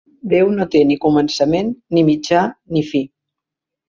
Déu no té ni començament, ni mitjà, ni fi.